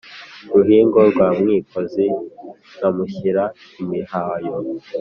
Ruhingo rwa Mwikozi nkamushyira imihayo.